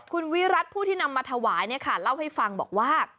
คุณวิรัติผู้ที่นำมาถวายเนี่ยค่ะเล่าให้ฟังบอกว่า